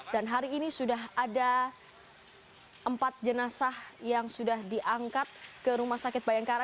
dan hari ini sudah ada empat jenazah yang sudah diangkat ke rumah sakit bayangkara